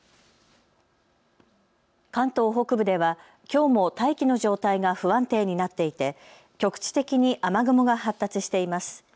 関東北部ではきょうも大気の状態が不安定になっていて局地的に雨雲が発達しています。